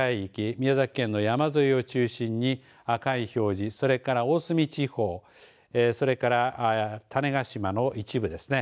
宮崎県の山沿いを中心に赤い表示それから大隅地方、それから種子島の一部ですね